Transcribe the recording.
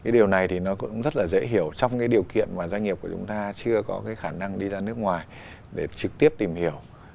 điều này cũng rất dễ hiểu trong điều kiện doanh nghiệp của chúng ta chưa có khả năng đi ra nước ngoài để trực tiếp tìm hiểu